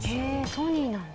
ソニーなんだ。